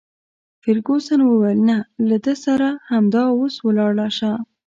فرګوسن وویل: نه، له ده سره همدا اوس ولاړه شه.